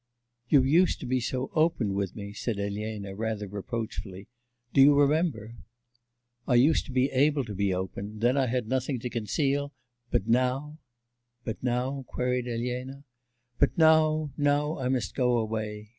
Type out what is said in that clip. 'You used to be so open with me,' said Elena rather reproachfully. 'Do you remember?' 'I used to be able to be open, then I had nothing to conceal; but now ' 'But now?' queried Elena. 'But now... now I must go away.